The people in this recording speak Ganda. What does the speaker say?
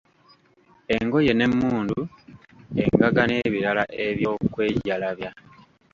Engoye n'emmundu, engaga n'ebirala eby'okwejalabya.